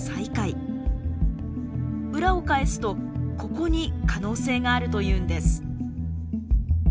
裏を返すとここに可能性があるというんです。